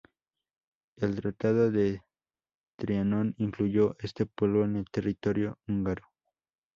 El tratado de Trianon incluyó este pueblo en el territorio húngaro.